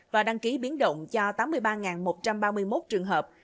và đăng ký biến động cho tám mươi ba một trăm ba mươi một trường hợp